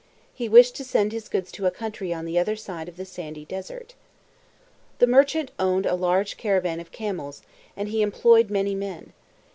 He wished to send his goods to a country on the other side of the sandy desert. The merchant owned a large caravan of camels, and he employed many men.